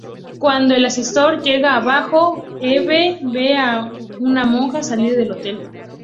Cuando el ascensor llega abajo, Eve ve a una monja salir del hotel.